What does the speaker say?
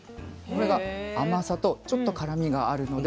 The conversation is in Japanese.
これが甘さとちょっと辛みがあるので相性が抜群。